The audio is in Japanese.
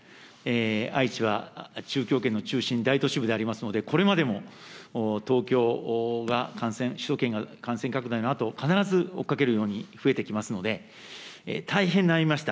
愛知は中京圏の中心で、大都市部でありますので、これまでも東京が感染、首都圏が感染拡大のあと、必ず追っかけるように増えてきますので、大変悩みました。